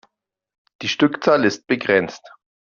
Die Stückzahl ist begrenzt.